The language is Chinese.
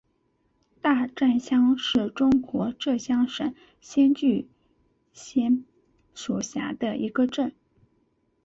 大战乡是中国浙江省仙居县所辖的一个镇。